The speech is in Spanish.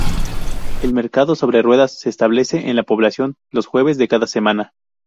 El mercado sobre ruedas se establece en la población los jueves de cada semana.